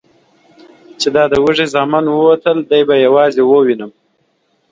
چې دا د وږي زامن ووتل، دی به یوازې ووینم؟